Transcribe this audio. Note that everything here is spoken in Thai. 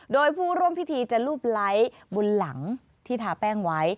โดยผู้ร่วมพิธีจะรูปไลค์บนหลังที่ทาแป้งไว้